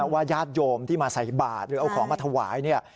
ว่าญาติโยมที่มาใส่บาทหรือเอาของมาถวาย